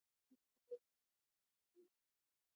مېوې د افغانستان د اجتماعي جوړښت برخه ده.